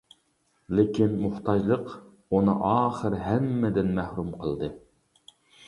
لېكىن موھتاجلىق ئۇنى ئاخىر ھەممىدىن مەھرۇم قىلدى.